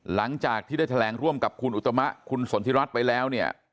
หลังจากที่ได้แถลงร่วมกับคุณอุตมะคุณสนทิรัฐไปแล้วเนี่ย